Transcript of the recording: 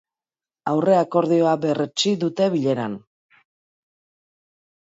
Aurreakordioa berretsi dute bileran.